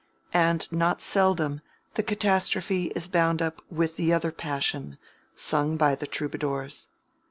And not seldom the catastrophe is bound up with the other passion, sung by the Troubadours.